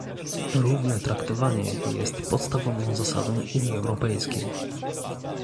Równe traktowanie jest podstawową zasadą Unii Europejskiej